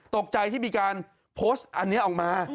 ตกใจที่มีการโพสต์อันนี้ออกมา